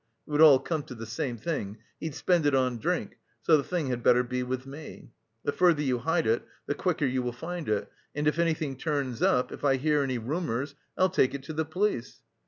It would all come to the same thing he'd spend it on drink, so the thing had better be with me. The further you hide it the quicker you will find it, and if anything turns up, if I hear any rumours, I'll take it to the police.